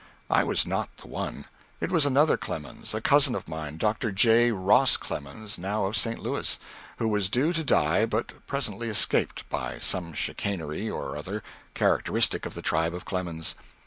I was not the one. It was another Clemens, a cousin of mine, Dr. J. Ross Clemens, now of St. Louis who was due to die but presently escaped, by some chicanery or other characteristic of the tribe of Clemens.